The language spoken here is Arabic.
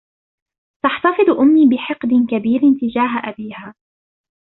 تحتفظ أمي بحقد كبير تجاه أبيها.